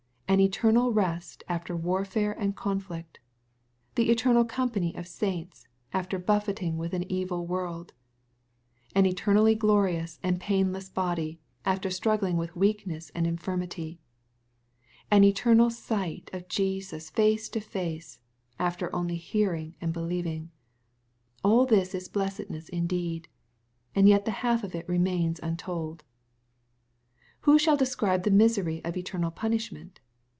An eternal rest, after warfare and conflict, — the eternal company of saints, after buffeting with an evil world, — an eternally glorious and painless body, after stniggUng with weakness and infirmity, — ^an eternal sight of Jesus face to face, after only hearingandbeUeving, aU this is blessedness indeed. And yet the half of it remains untold. Who shall describe the misery of eternal punishment